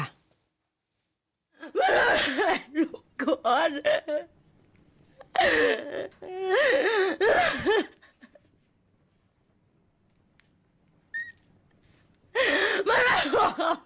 อ้าวไม่รู้แต่ดูค่ะ